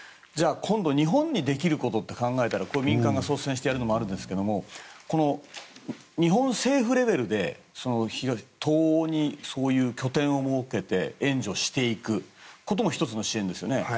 じゃあ、今度日本にできることって考えたら民間が率先してやるというのもあるんですけど日本政府レベルで東欧にそういう拠点を設けて援助していくことも１つの支援ですよね。